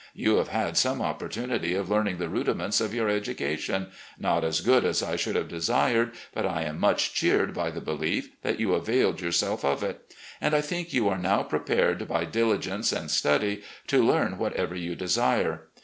You have had some opportunity of learn ing the rudiments of your education — not as good as I should have desired, but I am much cheered by the belief that you availed yourself of it — and I think you are now prepared by diligence and study to learn what ever you desire.